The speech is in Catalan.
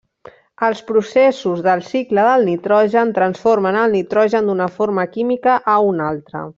Els processos del cicle del nitrogen transformen el nitrogen d'una forma química a una altra.